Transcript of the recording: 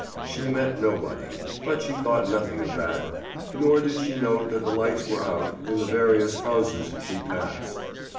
She met nobody, but she thought nothing of that, nor did she note that the lights were out in the various houses she passed.